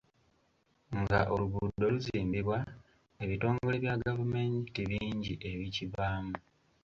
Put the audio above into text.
Nga oluguudo luzimbibwa ebitongole bya gavumenti bingi ebikibaamu.